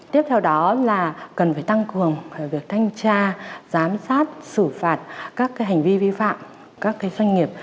tiếp theo đó là cần phải tăng cường việc thanh tra giám sát xử phạt các hành vi vi phạm các doanh nghiệp